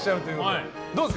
どうですか？